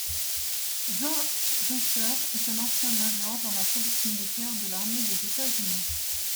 Jack Reacher est un ancien major dans la police militaire de l'armée des États-Unis.